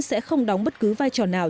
sẽ không đóng bất cứ vai trò nào